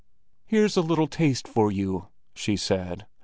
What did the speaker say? "Here's a little taste for you," she said.